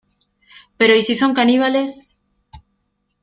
Pero... ¿ y si son caníbales? .